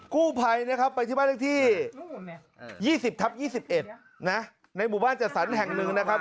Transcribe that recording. กู้ภัยนะครับไปที่บ้านเลขที่๒๐ทับ๒๑นะในหมู่บ้านจัดสรรแห่งหนึ่งนะครับ